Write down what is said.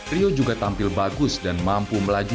rio juga tampil bagus dan mampu melaju